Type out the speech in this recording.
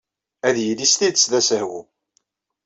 Ad yili s tidet d asehwu.